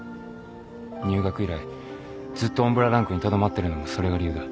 入学以来ずっと陰ランクにとどまっているのもそれが理由だ。